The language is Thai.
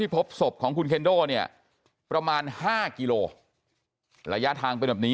พบศพของคุณเคนโดเนี่ยประมาณ๕กิโลระยะทางเป็นแบบนี้